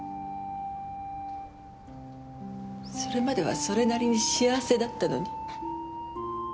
それまではそれなりに幸せだったのに。